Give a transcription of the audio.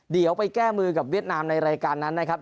เดี๋ยวไปแก้มือกับเวียดนามในรายการนั้นนะครับ